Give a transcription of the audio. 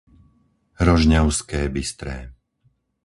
Rožňavské Bystré